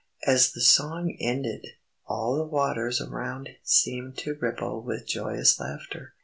As the song ended, all the waters around seemed to ripple with joyous laughter.